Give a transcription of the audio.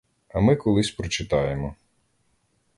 А ми колись прочитаємо.